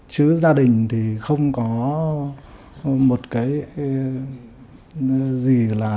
chứ gia đình thì không có một cái gì là